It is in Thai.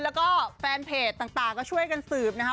แล้วก็แฟนเพจต่างก็ช่วยกันสืบนะคะ